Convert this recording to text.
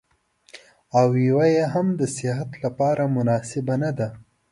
او يوه يې هم د صحت لپاره مناسبه نه ده.